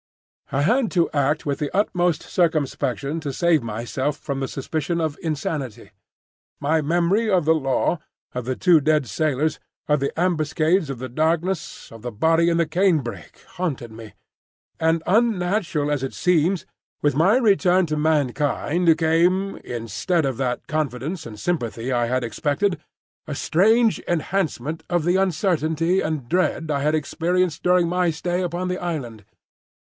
I had to act with the utmost circumspection to save myself from the suspicion of insanity. My memory of the Law, of the two dead sailors, of the ambuscades of the darkness, of the body in the canebrake, haunted me; and, unnatural as it seems, with my return to mankind came, instead of that confidence and sympathy I had expected, a strange enhancement of the uncertainty and dread I had experienced during my stay upon the island.